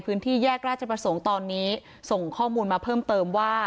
พื้นที่แยกราชประสงค์ตอนนี้ส่งข้อมูลมาเพิ่มเติมว่า